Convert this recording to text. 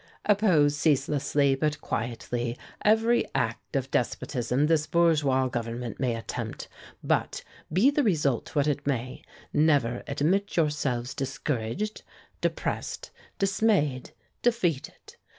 "Oppose ceaselessly, but quietly, every act of despotism this Bourgeois Government may attempt; but, be the result what it may, never admit yourselves discouraged, depressed, dismayed, defeated.